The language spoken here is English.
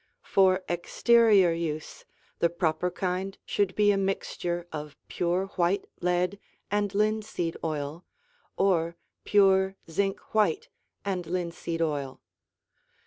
For exterior use the proper kind should be a mixture of pure white lead and linseed oil or pure zinc white and linseed oil.